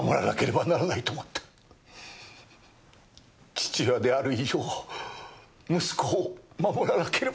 父親である以上息子を守らなければと。